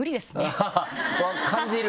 感じる？